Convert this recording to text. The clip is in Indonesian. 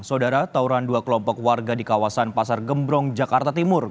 saudara tauran dua kelompok warga di kawasan pasar gembrong jakarta timur